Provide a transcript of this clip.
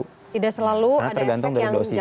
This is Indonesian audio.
tidak selalu ada efek yang jangka pendek itu